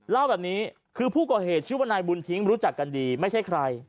เล่าแบบนี้คือผู้ก่อเหตุชื่อว่านายบุญทิ้งรู้จักกันดีไม่ใช่ใคร